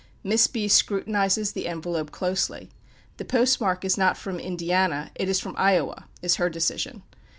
Miss B scrutinizes the envelope closely. "The post mark is not from Ind. (Indiana), it is from Ioa" (Iowa), is her decision.